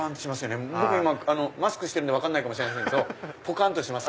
僕今マスクしてるんで分かんないかもしれませんけどポカンとしてます。